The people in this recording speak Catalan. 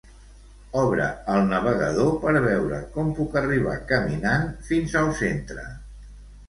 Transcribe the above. Obre el navegador per veure com puc arribar caminant fins al centre.